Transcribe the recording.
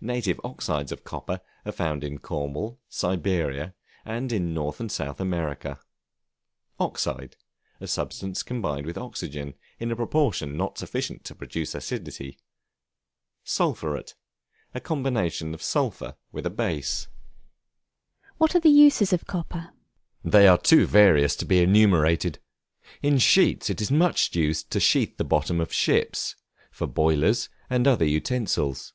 Native oxides of copper are found in Cornwall, Siberia, and in North and South America. Oxide, a substance combined with Oxygen, in a proportion not sufficient to produce acidity. Sulphuret, a combination of sulphur with a base. [Footnote 8: See Chapter XIII., article Oxygen.] What are the uses of Copper? They are too various to be enumerated. In sheets it is much used to sheathe the bottoms of ships, for boilers, and other utensils.